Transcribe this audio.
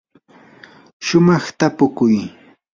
shumaq tapukuy.